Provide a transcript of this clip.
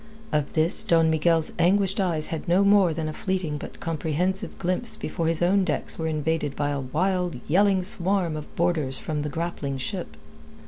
Of this Don Miguel's anguished eyes had no more than a fleeting but comprehensive glimpse before his own decks were invaded by a wild, yelling swarm of boarders from the grappling ship.